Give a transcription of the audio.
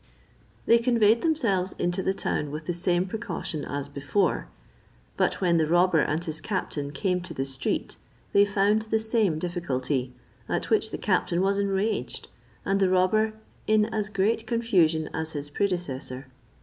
They conveyed themselves into the town with the same precaution as before; but when the robber and his captain came to the street, they found the same difficulty; at which the captain was enraged, and the robber in as great confusion as his predecessor.